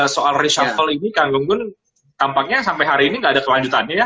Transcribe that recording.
soal reshuffle ini kang gunggun tampaknya sampai hari ini nggak ada kelanjutannya ya